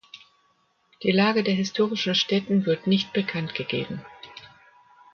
Die Lage der historischen Stätten wird nicht bekannt gegeben.